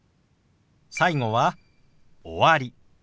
最後は「終わり」。